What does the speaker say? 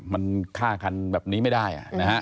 มันฆ่าคันแบบนี้ไม่ได้